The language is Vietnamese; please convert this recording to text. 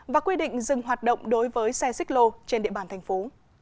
và quy định dừng hoạt động đối với xe xích lô trên địa bàn thành phố